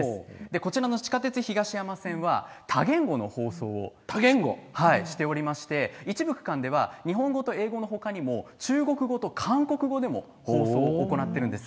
こちらの地下鉄東山線は多言語の放送をしておりまして一部区間では日本語と英語の他にも中国語と韓国語でも放送を行っております。